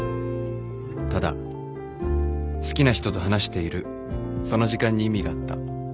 ただ好きな人と話しているその時間に意味があった